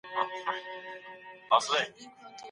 بهرنۍ پالیسي یوه اړتیا ده.